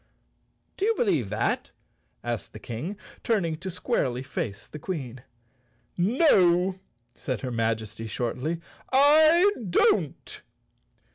"Do you believe that?" asked the King, turning to squarely face the Queen. "No!" said her Majesty shortly, "I don't."